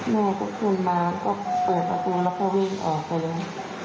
แม่ก็ขึ้นมาก็เปิดประตูแล้วก็วิ่งออกไปเลย